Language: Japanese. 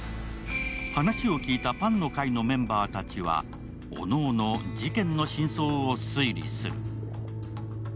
話を聞いたパンの会のメンバーたちは、各々、事件の真相を推理する。